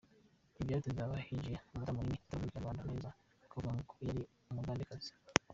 Ntibyatinze haba hinjiye umudamu munini, utaravugaga ikinyarwanda neza bavugaga ko yari umugandekazi.